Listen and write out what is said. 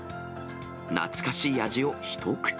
懐かしい味を一口。